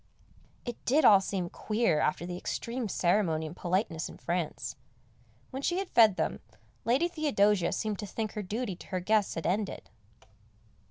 It did all seem queer after the extreme ceremony and politeness in France. When she had fed them, Lady Theodosia seemed to think her duty to her guests had ended.